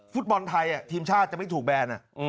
ฟุตบอลไทยทีมชาติจะไม่ถูกแบน